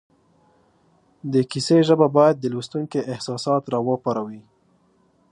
د کیسې ژبه باید د لوستونکي احساسات را وپاروي